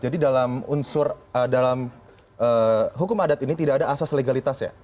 jadi dalam unsur dalam hukum adat ini tidak ada asas legalitas ya